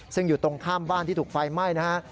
ซึ่งอยู่ตรงข้ามบ้านที่ถูกไฟไหม้นะฮะ